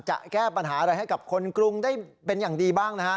จะแก้ปัญหาอะไรให้กับคนกรุงได้เป็นอย่างดีบ้างนะฮะ